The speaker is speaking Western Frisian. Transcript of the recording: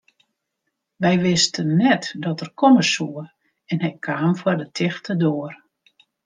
Wy wisten net dat er komme soe en hy kaam foar de tichte doar.